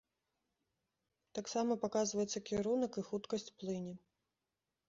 Таксама паказваецца кірунак і хуткасць плыні.